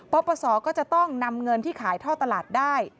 ปปศก็จะต้องนำเงินที่ขายท่อตลาดได้